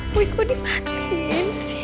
boy gue dimatiin sih